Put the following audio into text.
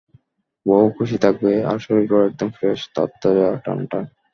বউও খুশি থাকবে, আর শরীরও একদম ফ্রেশ, তরতাজা, টান-টান।